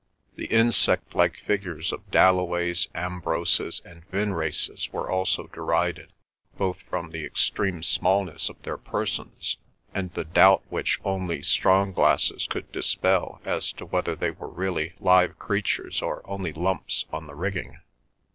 The insect like figures of Dalloways, Ambroses, and Vinraces were also derided, both from the extreme smallness of their persons and the doubt which only strong glasses could dispel as to whether they were really live creatures or only lumps on the rigging.